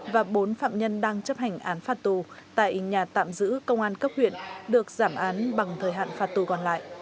và bốn phạm nhân đang chấp hành án phạt tù tại nhà tạm giữ công an cấp huyện được giảm án bằng thời hạn phạt tù còn lại